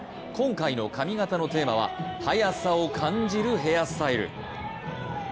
今回の髪形のテーマは速さを感じるヘアスタイル。